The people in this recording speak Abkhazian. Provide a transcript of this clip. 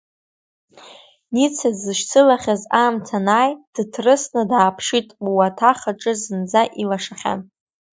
Ница дзышьцылахьаз аамҭа анааи, дыҭрысны дааԥшит, луаҭах аҿы зынӡа илашахьан.